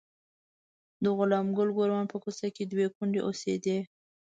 د غلام ګل ګوروان په کوڅه کې دوې کونډې اوسېدې.